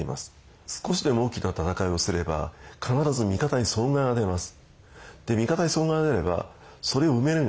少しでも大きな戦いをすれば必ず味方に損害が出ます。